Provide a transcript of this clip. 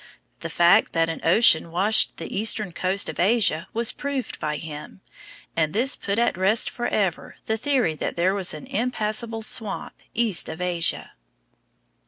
The fact that an ocean washed the eastern coast of Asia was proved by him, and this put at rest forever the theory that there was an impassable swamp east of Asia.